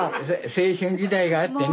青春時代があってね。